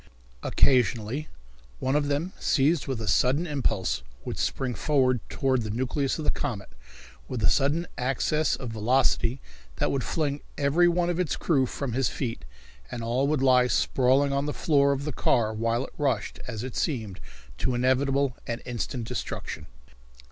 Occasionally one of them, seized with a sudden impulse, would spring forward toward the nucleus of the comet with a sudden access of velocity that would fling every one of its crew from his feet, and all would lie sprawling on the floor of the car while it rushed, as it seemed, to inevitable and instant destruction.